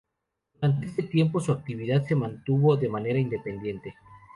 Durante este tiempo, su actividad se mantuvo de manera independiente.